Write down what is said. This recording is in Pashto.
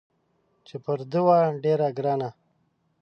چې پر ده وه ډېره ګرانه